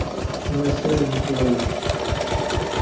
Amasal n teẓrigt.